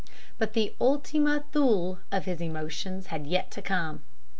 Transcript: "But the Ultima Thule of his emotions had yet to come.